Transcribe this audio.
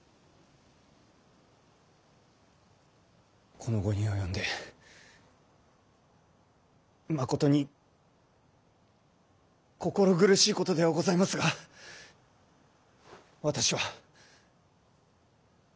この期に及んでまことに心苦しいことではございますが私は。